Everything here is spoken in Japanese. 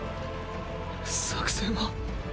作戦は？